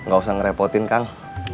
gak usah ngerepotin kang